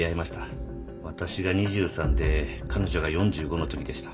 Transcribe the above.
私が２３で彼女が４５のときでした。